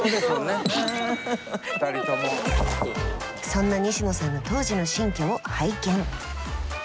そんな西野さんの当時の新居を拝見。